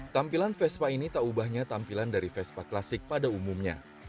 tampilan vespa ini tak ubahnya tampilan dari vespa klasik pada umumnya